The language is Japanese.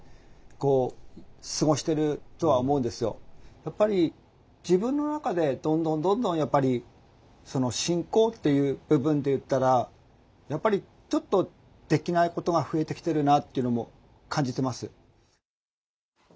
やっぱり自分の中でどんどんどんどんその進行っていう部分で言ったらやっぱりちょっとできないことが増えてきてるなっていうのも感じてます。